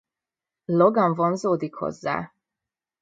Logan vonzódik hozzá.